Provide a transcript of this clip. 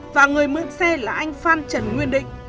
và người mượn xe là anh phan trần nguyên định